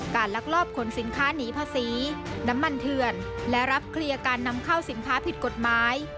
ลักลอบขนสินค้าหนีภาษีน้ำมันเถื่อนและรับเคลียร์การนำเข้าสินค้าผิดกฎหมาย